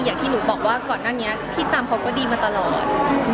อย่างที่หนูบอกว่าก่อนหน้านี้พี่ตามเขาก็ดีมาตลอด